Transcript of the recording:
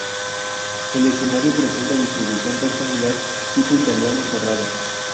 El escenario presenta distribución rectangular, tipo italiano, cerrado.